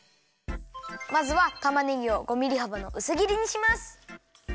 まずはたまねぎを５ミリはばのうすぎりにします。